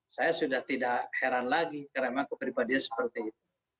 saya sudah tidak heran lagi karena memang kepribadian seperti itu